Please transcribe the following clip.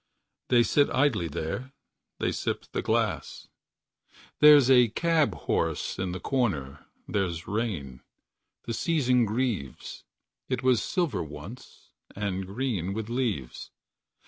They sit idly there. They sip the glass. There's a cab horse at the corner. There's rain. The season grieves. It was silver once. And green with leaves